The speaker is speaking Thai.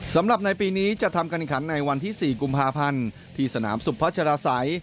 สำหรับในปีนี้จะทำการขันในวันที่๔กุมภาพันธ์ที่สนามสุพัชราศัย